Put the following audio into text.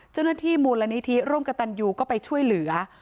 เจ้าหน้าที่มูลนิธิร่วมกับตันยูก็ไปช่วยเหลือ